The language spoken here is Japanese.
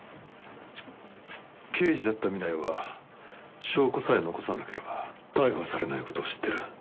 刑事だった南井は証拠さえ残さなければ逮捕されない事を知ってる。